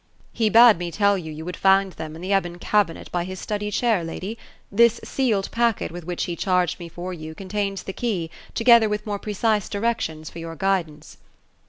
" He bade me tell you, you would find them in the ebon cabinet, by his study chair, lady ; this sealed packet, with which he charged me for you, contains the key, together with more precise directions for your guidance."